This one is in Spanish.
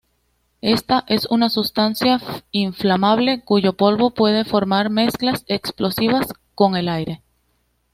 Esta es una sustancia inflamable cuyo polvo puede formar mezclas explosivas con el aire.